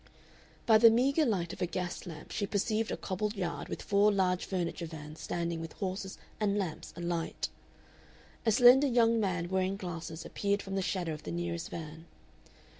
By the meagre light of a gas lamp she perceived a cobbled yard with four large furniture vans standing with horses and lamps alight. A slender young man, wearing glasses, appeared from the shadow of the nearest van.